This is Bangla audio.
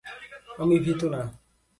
আমি ভীতু না।